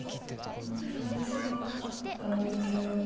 そんなに自信はなかったんですけど。